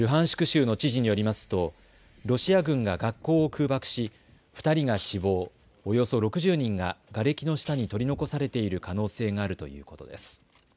州の知事によりますとロシア軍が学校を空爆し２人が死亡、およそ６０人ががれきの下に取り残されている可能性があるということです。